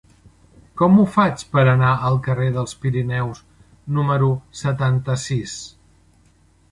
Com ho faig per anar al carrer dels Pirineus número setanta-sis?